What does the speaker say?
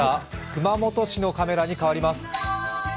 熊本市のカメラに変わります。